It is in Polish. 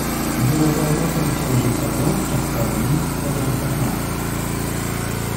Było to nocą księżycową w czas pełni, w początkach marca.